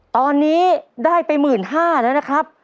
ตอนนี้ได้ไป๑๕๐๐แล้วนะครับ